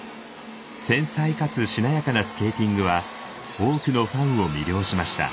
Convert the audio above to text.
繊細かつしなやかなスケーティングは多くのファンを魅了しました。